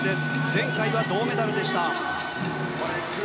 前回は銅メダルでした。